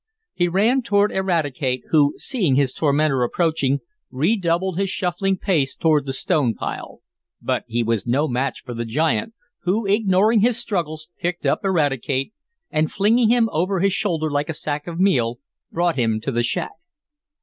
He ran toward Eradicate, who, seeing his tormentor approaching, redoubled his shuffling pace toward the stone pile. But he was no match for the giant, who, ignoring his struggles, picked up Eradicate, and, flinging him over his shoulder like a sack of meal, brought him to the shack.